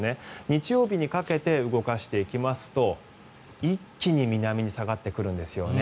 日曜日にかけて動かしていきますと一気に南に下がってくるんですよね。